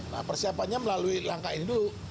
nah persiapannya melalui langkah ini dulu